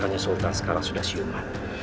makanya sultan sekarang sudah siuman